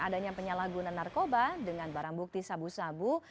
adanya penyalahgunaan narkoba dengan barang bukti sabu sabu